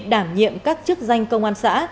đảm nhiệm các chức danh công an xã